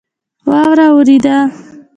واوره اوورېده